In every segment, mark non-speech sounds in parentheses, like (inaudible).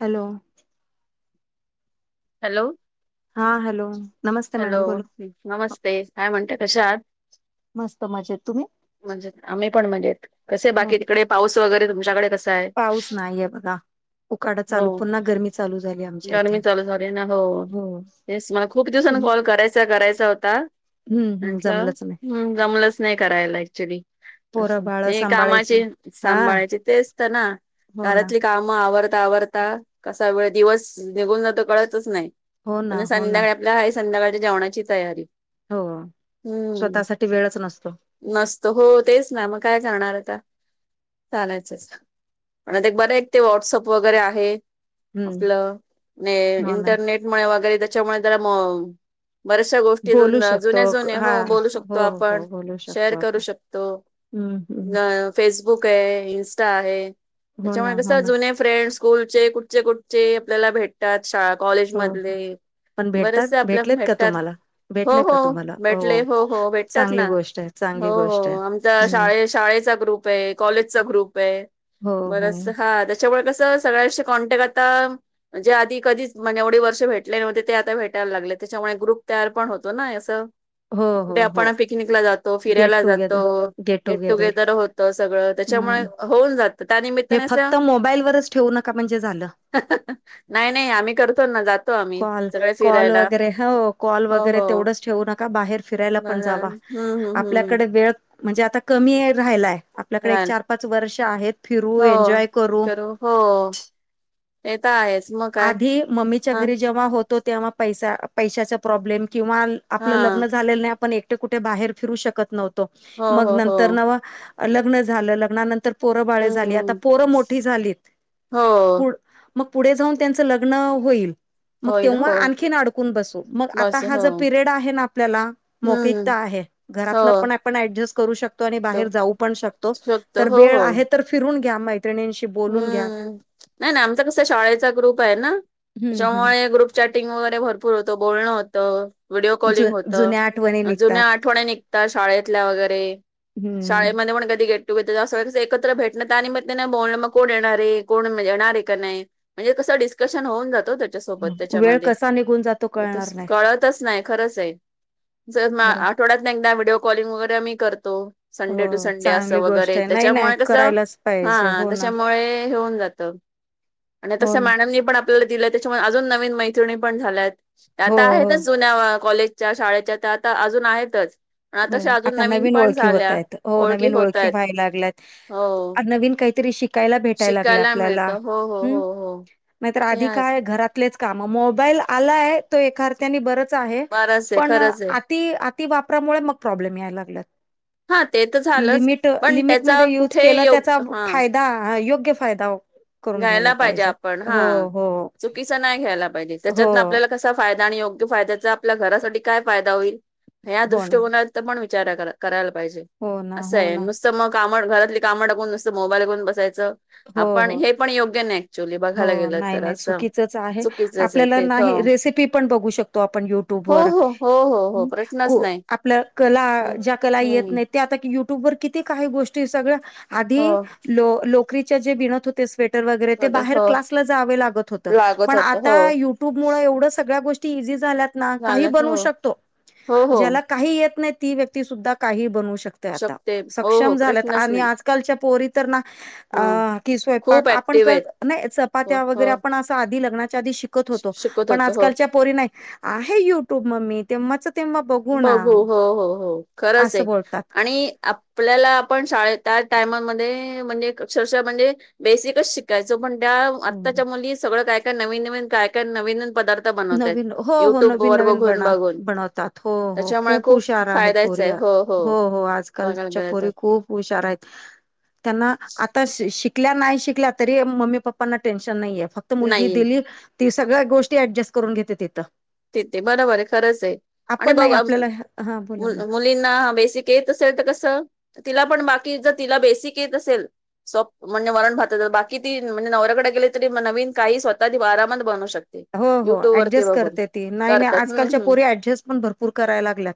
Hello. Hello. हा hello. नमस्ते hello. Madam बोला नमस्ते काय म्हणते कशा आहात. मस्त मजेत तुम्ही. मजेत आम्ही पण मजेत. कसे हो बाकी तिकडे पाऊस वगैरे, तुमच्याकडे कसाय. पाऊस नाहीये बघा. उकाडा चालू हो. पुन्हा गरमी चालू झाली आमच्या इथे गर्मी चालू झाली ना, हो हेच मला खूप, खूप तुम दिवसापासून कॉल, कराय करायचा होता हम्म हम्म म्हटलं. जमलंच नाही हम्म. जमलंच नाही करायला ऍक्च्युली. पोरं असं बाळ ते सांभाळायचं कामाची हा सांभाळायचे, तेच तर ना हो ना दारातली. काम आवरता आवरता, कसा वेळ दिवस निघून जात कळतंच नाही. हो ना पण हो ना संध्याकाळी आपल्या आहे, संध्याकाळच्या जेवणाची तयारी. हो, स्वतःसाठी वेळच नसतो. नसतो हो तेच ना, मग काय करणार आता चालायचंच. आणि ते बरं, एक ते व्हॉट्सअप वगैरे आहे. हम्म आपलं न हो ना इंटरनेटमुळे वगैरे, त्यांच्यामुळे त्याला म बऱ्याचशा गोष्टी बोलू शकतो जुने जुने हा हो, बोलू शकतो हो आपण हो बोलू शेअर शकतो करू आपण शकतो. हम्म हम्म अ फेसबुक आहे, इनस्टा आहे, हो ना त्यांच्यामुळे कस हो ना जुने. फ्रेंड स्कूलचे कुठचे, कुठचे आपल्याला भेटतात शाळा कॉलेज हो मधले. पण भेटतात बरेसे आपल्या भेटलेत का भेटतात तुम्हाला हो, भेटले का हो तुम्हाला भेटले हो हो भेटतात चांगली ना. गोष्ट आहे हो चांगली हो गोष्ट आहे. आमचा हम्म शाळे शाळेचा ग्रुप आहे, कॉलेजचा ग्रुप आहे. हो हो. बरस हा तस त्यांच्यामुळे कसं सगळ्यांशी कॉन्टॅक्ट आता, जे आधी कधीच म्हण एवढे वर्ष भेटले नव्हते ते आता. भेटायला लागले त्याच्यामुळे, ग्रुप तयार पण होतो ना असं. हो हो कुठे हो आपण पिकनिकला जातो, फिरायला जातो, गेट टुगेदर होत तर सगळं त्याच्यामुळे हम्म. होऊन जात हे त्यानिमित्ताने असं फक्त मोबाईलवरच ठेवू नका म्हणजे झालं नाही नाही आम्ही करतो ना जातो आम्ही कॉल सगळे कॉल फिरायला वगैरे हो कॉल हो वगैरे हो. तेवच ठेवून बाहे फिरायला पण जावा बरं. हम्म हम्म हम्म आपल्याकडे वेळ म्हणजे आता कमी वेळ राहिलाय आपल्याकडे एक छान. चार पाच वर्ष आहेत फिरू हो एन्जॉय करू ते तर आहेच मग काय आधी मम्मीच्या हा घरी जेव्हा होत तेव्हा पैसा पैशाचा प्रॉब्लेम किंवा आपलं हा लग्न झालेलं नाही आपण कुठे बाहेर फिरू शकत नव्हतो हो मग हो हो नंतर न मग लग्न झालं लग्नानंतर पोरं बाळे झाली आता हम्म पोरं मोठी झालीत हो पुढ मग पुढे जाऊन त्यांचं लग्न होईल मग होईल तेव्हा हो आणखीन अडकून बसू मग आता बस हा हो जो पीरेड आहे ना आपल्याला मीकित्ता हम्म आहे घरातलं हो पण आपण ऍडजस्ट करू शकतो आणि तो बाहेर जाऊ पण शकतो शकतो तर हो वेळ हो आहे तर फिरून घ्या मैत्रिणीशी हम्म नाही नाही आमच कस शाळेचा ग्रुप आहे ना हम्म हम्म त्याच्यामुळे ग्रुप चॅटिंग वगैरे भरपूर होतं बोलणं होतं व्हिडिओ जु कॉलिंग जुन्या आठवणी होतं निघतात जुन्या आठवण्या निघतात शाळेतल्या वगैरे हम्म शाळेमध्ये मग कधी गेट टुगेदर असत एकत्र भेटणं आणि मग त्या बोलण मग कोण येणार हे कोण म्ह येणार आहे का नाही म्हणजे कस डिस्कशन होऊन जात त्याच्या सोबत वेळ त्याच्यामध्ये कसा निघून जातो कळणार नाही कळतच नाही खरंच आहे जर ना आ खरंच आठवड्यात एकदा व्हिडिओ कॉलिंग वगैरे आम्ही करतो संडे हो टू संडे असं चांगली गोष्ट वगैरे आहे नाही नाही त्याच्यामुळे कसं करायलाच पाहिजे हा हो ना त्याच्यामुळे हेऊन जात आणि तस हो ना मॅडम नि पण त्याच्यामुळे अजून नवीन मैत्रणी पण झाल्यात हो आता आहेत हो जु जुन्या कॉलेजच्या शाळेच्या त्या तर अजून आहेतच. पण हो तशा अजून आता नवीन पण ओळखी होत झाल्या आहेत हो नवीन ओळखी होतायत व्हायला लागल्यात हो. नवीन काहीतरी शिक शिकायला भेटाय लागलय शिकायला आपल्याला मिळतं हो हो हम्म हो हो नाहीतर ते आधी आहेच. काय घरात आपलेच काम मोबाईल आलाय तो एका अर्थ्यानी बरच आहे बरंच आहे पण खरंच आहे आती आति वापरामुळे मग प्रॉब्लेम यायला लागलात हा ते तर झालंच. लिमिट पण लिमिट त्याचा मध्ये यूज कुठे केलं योग त्याचा हा फाय दा योग्य फायदा करून घ्यायला पाहिजेत हो हो (unintelligible) कसा नाही घ्यायला पाहिजे हो त्याच्यात आपल्याला कसा फायदा आणि योग्य फायद्याचा आपल्या घरासाठी काय फायदा होईल ह्या हो ना दृष्टीकोनात पण विचार करायला पाहिजे हो ना असं हो हाय ना नुस मग कामड घरातली कामं टाकून नुसत मोबाईल घऊन बसायचं हो आपण हो हे पण योग्य नाही ऍक्च्युली बघायला हो गेलं नाही तर नाही असं. चुकीचच आहे चुकीचंच आहे आपल्याला ते हो नाही रेसिपी पण बघू शकत तो आपण यूट्यूब हो वर हो हो हो हो प्रश्नच कु नाही. आपल्या कला ज्या कला येतं हम्म नाही ते आता युट्यूब वर किती काही गोष्टी सगळ्या हो आधी लो लोकरीच्या जे विणत हो ते स्वेटर वगैरे ते परत बाहेर हो क्लासला जावे लागत होत. लागत पण होत हो. आता युट्यूब मूळ एवढ सगळ्या गोष्टी इझी झाल्यात काही झालं हो बनवू शकतो हो हो ज्याला काही येत नाही ती व्यक्ती सुद्धा काही बनवू शकतो आता शकते हो हो सक्षम झाल्यात प्रश्नच आणि नाही आजकालच्या पोरी तर ना ह अ कि खूप स्वयंपाक आपण ऍक्टिव्ह कर आहेत. नाही हो चपात्या हो वगैरे आपण असं आधी लग्नाच्या आधी शिक (unintelligible) होतो शिकत पण होत हो आजकालच्या पोरी नाही आहे युट्यूब म मी तेव्हाचं तेव् बघू हो हो हो खरंच असं आहे बोलतात आणि आप आपल्याला आपण शाळेत त्या टायममध्ये म्हणजे अक्षरशः म्हणजे बेसिकच शिक शिकायचो पण त्या हं. आत्ताच्या मुली सगळं काय काय नवीन नवीन काय काय नवीन नवीन पदार्थ बनवत आहेत नवीन हो हो युट्यूब नवीन वर नवीन बघून बना बघून बनवतात हो हो खूप हुशार आहेत पोरिया. हो. हो. बघायला आजकालच्या गेलं पोरी तर खूप हुशार आहेत. त्यांना आता शिकल्या नाही शिकल्या तरी मम्मी पप्पांना टेन्शन नाहीये फ - क्त मुलगी नाहीये दिली ती सगळ्या गोष्टी ऍडजस्ट करून घेते तिथं. तिथे बरोबर हाय खरंच हे आणि आपण बघ नाही आपल्याला हा बोला मुल मॅडम मु लींना बेसिक येत असेल तर कस तिला पण बाकी जर तिला बेसिक येत असेल सप म्हणजे वरण भात तर बाकी ती म्हणज नवऱ्याकडे गेले तरी नवीन काही स्वतः आरामात बनवू शकते. हो, हो. युट्यूब वरती ऍडजस्ट बघून करते ती नाही. नाही. करतात हम्म आजकालच्या हम्म पोरी ऍडजस्ट पण भरपूर करायला लागल्यात.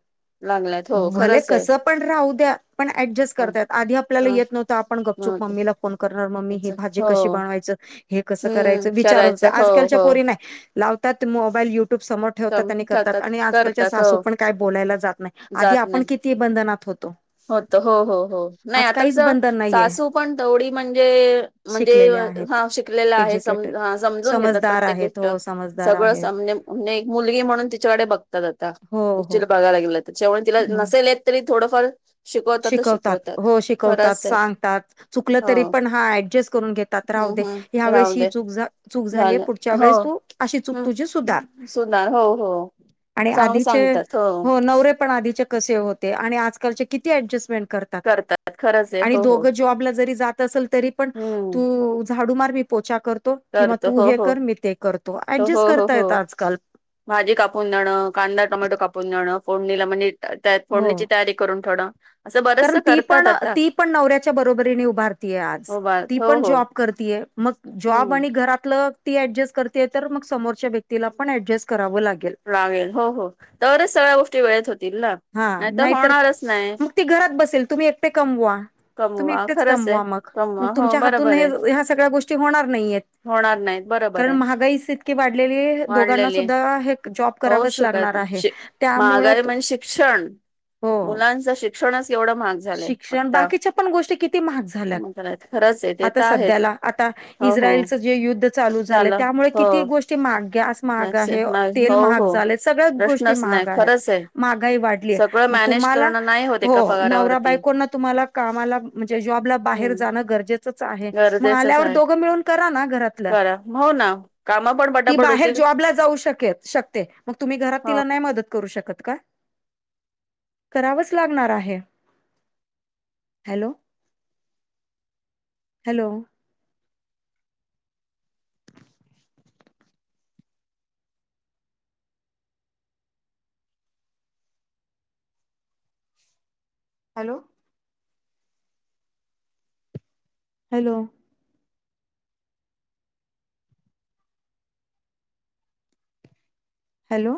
लागल्यात हो भले खरंच आहे कसं पण राहू द्या. पण ऍडजस्ट हो करतायत. आधी आपल्याला येत नव्हतं. आपण गपचूप ह मम्मीला - - फोन करणार. मम्मी ही अच्छा भाजी हो कशी बनवायचं? हे कसं हम्म करायचं? विचारत होत करायचं हो आजकालच्या हो पोरी नाही. लावतात मोबाईल युट्यूब समोर् ठेवतात आणि करतात आणि आजकालच्या करतात हो सासू पण काय बोलायला जात नाही. आधी आपण किती बंधनात होतो. होतो. हो, हो, हो. नाही आज आता काहीच बंधन नाहीये सासू पण तेवडी म्हणजे - - म्हणजे शिकलेले आहेत. हा शिकलेला आहे सम एज्युकेटेड हा समजून घेतात समजदार प्रत्येक गो - - आहेत ष्ट हो समजदार सगळं आहे सामने - - म्हणजे एक मुलगी म्हणून तिच्याकडे बघतात आता. हो हो. ॲक्च्युली बघायला गेलं तर तिच्यामुळे तिला हं. नसेल येत तरी थोडंफार - - शिकवतात. हो शिकवतात. आहे सांगतात. चुकलं तरी हो पण हा ऍडजस्ट करून घे तात राहु दे हम्म ह्या हम्म वेळेस राहू ही दे चूक झ चूक झाली झालं पुढच्या वेळेस तू अशी चूक तुझी सुधार. सुधार हो. हो. आणि चांगलं आधीचे सांगतात हो. पण आधीचे कसे होते आणि आजकालचे किती ॲडजेसमेंट कर करतात खरंच आहे आणि हो हो दोघ जॉबला जरी जात अस तरी पण हम्म तु - - झाडू मार मी पोचा करतो किंवा करतो तू हो हे हो कर मी ते करतो. तो ऍडजस्ट हो हो हो करतात आजकाल. भाजी कापून देणं. कांदा, टोमॅटो कापून देणं. फोडणीला म्हणजे - - त्यात हो फोडणीची तयारी करून थोडं कारण ती पण ती पण नवऱ्याच्या बरोबरीने उभारतीय आज. मोबाईल ती हो पण हो जॉब - - करतीय मग जॉब हम्म आणि घरातलं ती ऍडजस्ट करते तर मग समोरच्या व्यक्तीला पण ऍडजस करावं लागेल. लागेल हो. हो. तरच सगळ्या गोष्टी वेळेत होतील ना. हा नाही तर नाहीतर होणारच नाही. मग ती घरात बसेल. तुम्ही एकटे कमवा. तुम्ही कमवा इतटेच खरंच आहे. कमवा मग, मग कमवा हो तुमच्या हातून बरोबर हे आहे ह्या सगळ्या गोष्टी होणार नाहीयेत. होणार नाहीत बरोबर. कारण आहे महागाईस इतकी वाढलेली आहे. दोघांना सुद्धा हे जॉब होऊच करावच लागणार शकत आहे (unintelligible) त्यामुळं महागाई म्हणजे शिक शिक्षण हो मुलांच शिक्षणच एवढं महाग झालंय. शिक्षण बाकीच्या पण गोष्टी किती महाग झाल्या. खरंच आहे ते आता तर आहेच सध्याला आता हो हो इस्रायलच जे युद्ध चालू झालं त्यामुळे किती गोष्टी गॅस महाग आहे. जास्त- तेल हो महाग हो झाले. सगळ्या गोष्टी प्रश्नच नाही महाग आहेत. खरंच आहे महागाई वाढ - सगळं - मग मॅनेज तुम्हाला करणं नाही होत हो. एका नवरा पगारावरती बायकोंना तुम्हाला कामाला म्हणजे जॉबला बाहेर हम्म जाणं गरजेचंच आहे. मग गरजेचंच आल्यावर आहे दोघं मिळून कराना घरातलं. करा हो ना काम पण ती पटापट बाहेर होतील जॉब - - जॉब जाऊ शकेल शकते. मग तुम्ही घरात ह तिला नाही मदत - - करू शकत का? करावच लागणार आहे. Hello hello? Hello? Hello. Hello.